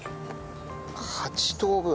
８等分。